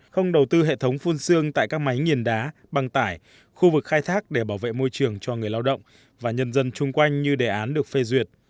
không đầu tư hệ thống phun xương tại các máy nghiền đá băng tải khu vực khai thác để bảo vệ môi trường cho người lao động và nhân dân chung quanh như đề án được phê duyệt